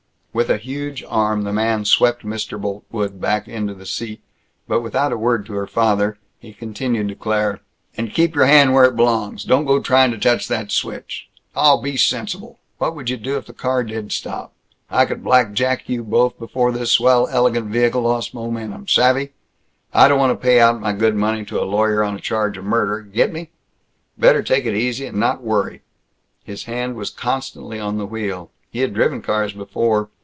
With a huge arm the man swept Mr. Boltwood back into the seat, but without a word to her father, he continued to Claire: "And keep your hand where it belongs. Don't go trying to touch that switch. Aw, be sensible! What would you do if the car did stop? I could blackjack you both before this swell elegant vehickle lost momentum, savvy? I don't want to pay out my good money to a lawyer on a charge of murder. Get me? Better take it easy and not worry." His hand was constantly on the wheel. He had driven cars before.